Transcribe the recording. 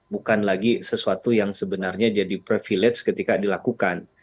bukan lagi sesuatu yang sebenarnya jadi privilege ketika dilakukan